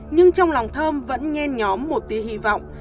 nhưng trong lòng thơm vẫn nhen nhóm một tí hy vọng